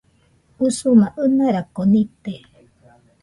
Usuma ɨnarako nite